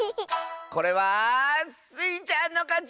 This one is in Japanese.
これはスイちゃんのかち！